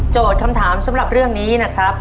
คำถามสำหรับเรื่องนี้นะครับ